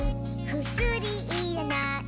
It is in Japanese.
「くすりいらない」